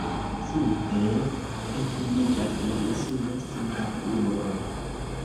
Sude etendiĝas la insulo Singapuro.